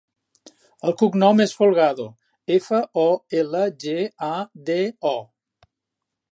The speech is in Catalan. El cognom és Folgado: efa, o, ela, ge, a, de, o.